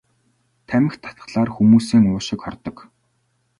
Тамхи татахлаар хүмүүсийн уушиг хордог.